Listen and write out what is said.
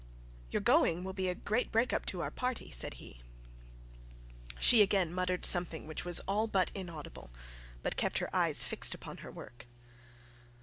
'Your going will be a great break up to our party,' said he. She again muttered something which was all but inaudible; but kept her eyes fixed upon her work.